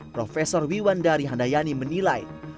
prof wiwan dari handayani menilai